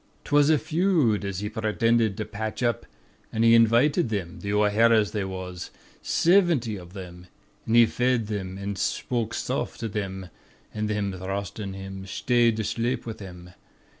'Twas a feud as he pretendid to patch up, an' he invited thim the O'Haras they was siventy av thim. An' he fed thim, an' shpoke soft to thim, an' thim thrustin' him, sthayed to shlape with him.